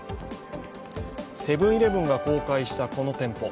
セブン−イレブンが公開したこの店舗。